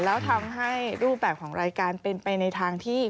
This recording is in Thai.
แล้วทำให้รูปแบบของรายการเป็นไปในทางที่